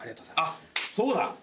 そうだ！